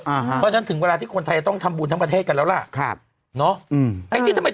เพราะฉะนั้นถึงเวลาที่คนไทยจะต้องทำบุญทั้งประเทศกันแล้วล่ะครับเนาะ